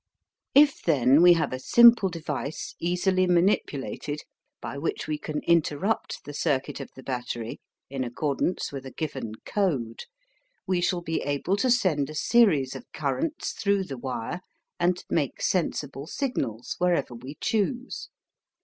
If, then, we have a simple device easily manipulated by which we can interrupt the circuit of the battery, in accordance with a given code, we shall be able to send a series of currents through the wire and make sensible signals wherever we choose.